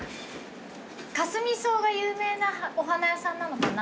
カスミソウが有名なお花屋さんなのかな？